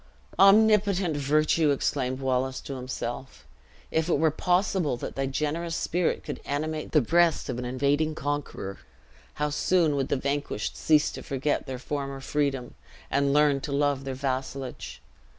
"Omnipotent virtue!" exclaimed Wallace to himself; "if it were possible that thy generous spirit could animate the breast of an invading conqueror, how soon would the vanquished cease to forget their former freedom, and learn to love their vassalage!